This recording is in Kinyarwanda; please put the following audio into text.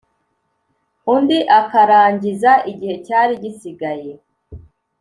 undi akarangiza igihe cyari gisigaye